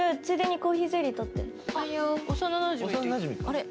あれ？